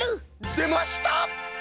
でました！